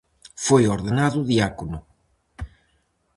Foi ordenado diácono.